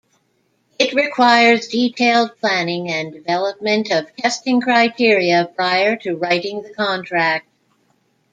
It requires detailed planning and development of testing criteria prior to writing the contract.